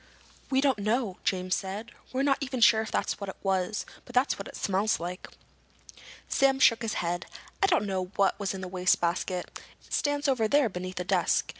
"We don't know," James said. "We're not even sure if that's what it was, but that's what it smells like." Sam shook his head. "I don't know what was in the basket. It stands over there, beneath that desk."